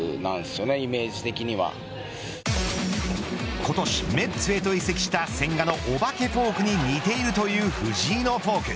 今年、メッツへ移籍した千賀のお化けフォークに似ているという藤井のフォーク。